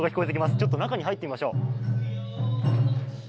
ちょっと中に入ってみましょう。